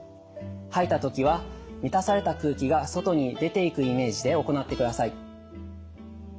吐いた時は満たされた空気が外に出ていくイメージで行ってください。